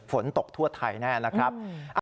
ฝนตกทั่วไทยแน่นะครับ